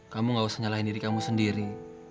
kamu gak usah nyalahin diri kamu sendiri